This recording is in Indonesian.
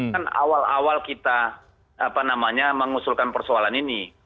kan awal awal kita apa namanya mengusulkan persoalan ini